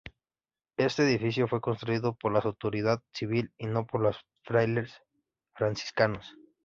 Este edificio fue construido por la autoridad civil y no por los frailes franciscanos.